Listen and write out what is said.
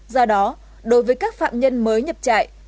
do đó đối với các phạm nhân mới nhập trại